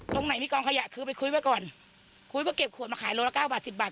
ตรงไหนมีกองขยะคือไปคุยไว้ก่อนคุยว่าเก็บขวดมาขายโลละเก้าบาทสิบบาท